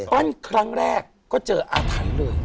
ปั้นครั้งแรกก็เจออาทันเลย